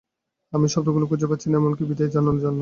আমি শব্দগুলো খুঁজে পাচ্ছি না এমনকি বিদায় জানানোর জন্য।